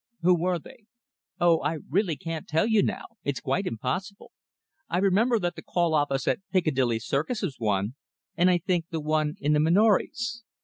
"Who were they?" "Oh, I really can't tell you now. It's quite impossible. I remember that the call office at Piccadilly Circus was one, and I think the one in the Minories."